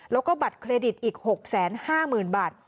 แล้วก็บัตรเครดิตอีก๖๕๐๐๐บาท